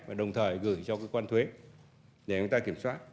và đồng thời gửi cho quan thuế để người ta kiểm soát